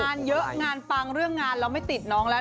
งานเยอะงานปังเรื่องงานเราไม่ติดน้องแล้ว